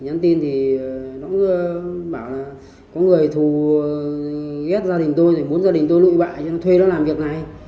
nhắn tin thì nó bảo là có người thù ghét gia đình tôi rồi muốn gia đình tôi lụi bại cho nó thuê nó làm việc này